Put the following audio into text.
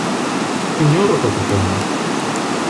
Sinjoro kapitano!